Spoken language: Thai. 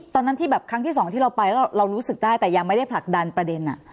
ตอนนั้นที่แบบครั้งที่สองที่เราไปแล้วเรารู้สึกได้แต่ยังไม่ได้ผลักดันประเด็น